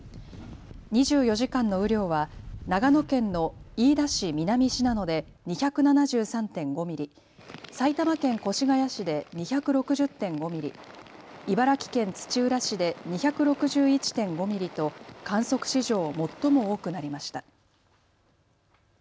２４時間の雨量は長野県の飯田市南信濃で２７３．５ミリ、埼玉県越谷市で２６０．５ミリ、茨城県土浦市で２６１．５ミリと観測史上、最も多くなりました。